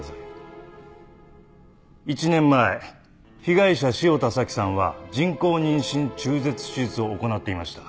１年前被害者汐田早紀さんは人工妊娠中絶手術を行っていました。